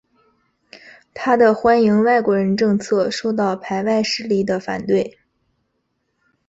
他的欢迎外国人政策受到排外势力的反对。